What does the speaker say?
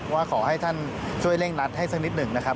ว่าขอให้ท่านช่วยเร่งนัดให้สักนิดหนึ่งนะครับ